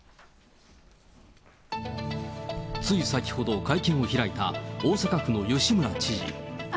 つい先ほど会見を開いた大阪府の吉村知事。